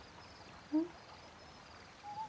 うん？